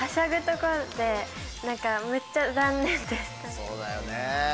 そうだよね。